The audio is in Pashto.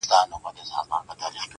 دا نفرتونه ځان ځانۍ به له سینې و باسو,